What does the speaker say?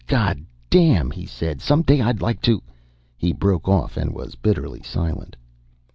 "God damn," he said. "Some day I'd like to " He broke off and was bitterly silent.